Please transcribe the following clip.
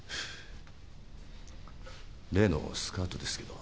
例のスカートですけど。